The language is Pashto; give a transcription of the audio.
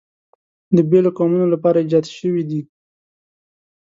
د بېلو قومونو لپاره ایجاد شوي دي.